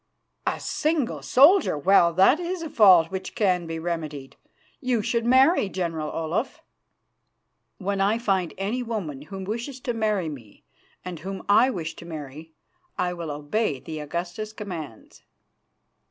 "A single soldier! Well, that is a fault which can be remedied. You should marry, General Olaf." "When I find any woman who wishes to marry me and whom I wish to marry, I will obey the Augusta's commands."